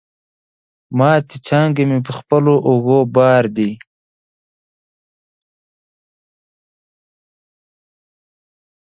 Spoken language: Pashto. ماتي څانګي مي په خپلو اوږو بار دي